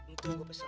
itu yang gue pesen